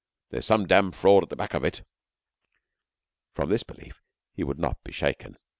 There's some dam' fraud at the back of it.' From this belief he would not be shaken.